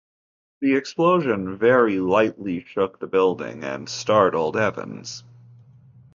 The explosion very lightly shook the building and startled Evans.